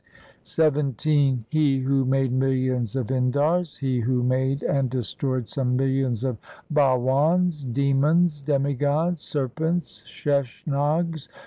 XVII He who made millions of Indars, He who made and destroyed some millions of Bawans, Demons, demigods, serpents, Sheshnags.